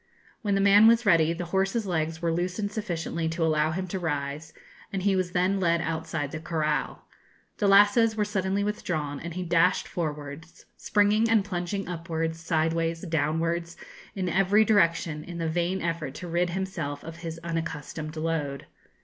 When the man was ready, the horse's legs were loosened sufficiently to allow him to rise, and he was then led outside the corral. The lassoes were suddenly withdrawn, and he dashed forwards, springing and plunging upwards, sideways, downwards, in every direction, in the vain effort to rid himself of his unaccustomed load.